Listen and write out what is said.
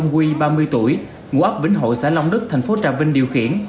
huy ba mươi tuổi ngũ ấp vĩnh hội xã long đức thành phố trà vinh điều khiển